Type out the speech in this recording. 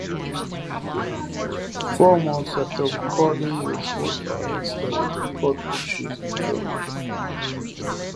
Four months after recording with Wolf Eyes they would record Beaches and Canyons.